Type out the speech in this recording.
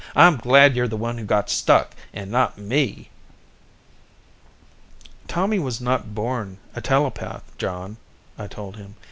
"I'm glad you're the one who got stuck, and not me." "Tommy was not born a telepath, John," I told him.